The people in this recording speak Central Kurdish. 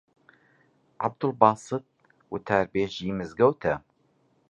عەبدولباست وتاربێژی مزگەوتە